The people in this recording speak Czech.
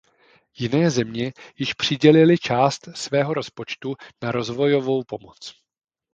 Jiné země již přidělily část svého rozpočtu na rozvojovou pomoc.